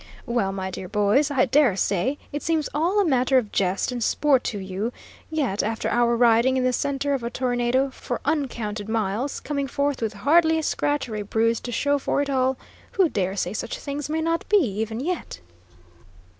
"Well, my dear boys, I dare say it seems all a matter of jest and sport to you; yet, after our riding in the centre of a tornado for uncounted miles, coming forth with hardly a scratch or a bruise to show for it all, who dare say such things may not be, even yet?"